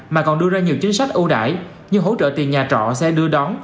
mà còn đưa ra nhiều chính sách ưu đãi như hỗ trợ tiền nhà trọ xe đưa đón